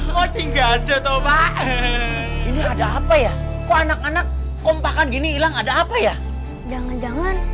kita punya tempat ini ada apa ya kok anak anak kompakan gini hilang ada apa ya jangan jangan